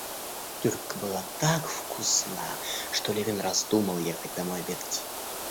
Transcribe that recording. Тюрька была так вкусна, что Левин раздумал ехать домой обедать.